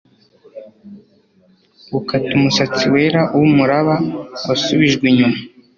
Gukata umusatsi wera wumuraba wasubijwe inyuma